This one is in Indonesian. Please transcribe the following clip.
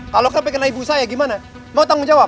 kalo sampe kena ibu saya gimana mau tanggung jawab